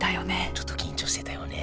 ちょっと緊張してたよね